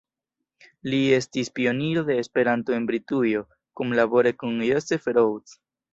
Li estis pioniro de Esperanto en Britujo, kunlabore kun Joseph Rhodes.